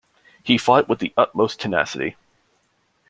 He fought the with the utmost tenacity.